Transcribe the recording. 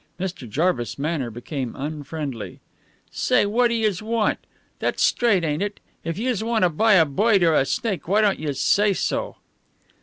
Mr. Jarvis' manner became unfriendly. "Say, what do youse want? That's straight, ain't it? If youse want to buy a boid or a snake, why don't youse say so?"